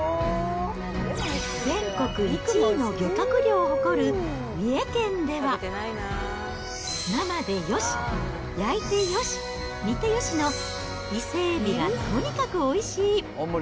全国１位の漁獲量を誇る、三重県では、生でよし、焼いてよし、煮てよしの伊勢海老がとにかくおいしい。